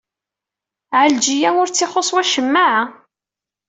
Ɛelǧiya ur tt-ixuṣṣ wacemma?